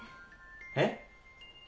えっ？